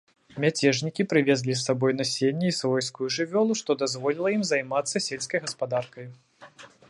Мяцежнікі прывезлі з сабою насенне і свойскую жывёлу, што дазволіла ім займацца сельскай гаспадаркай.